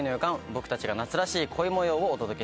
僕たちが夏らしい恋模様をお届けします。